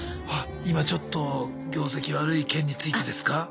「今ちょっと業績悪い件についてですか？」